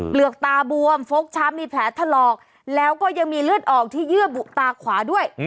เหลือกตาบวมฟกช้ำมีแผลถลอกแล้วก็ยังมีเลือดออกที่เยื่อบุตาขวาด้วย